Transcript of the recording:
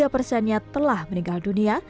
tiga persennya telah meninggal dunia